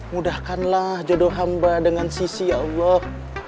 mudahkanlah jodoh hamba dengan sisi ya allah